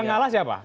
yang ngalah siapa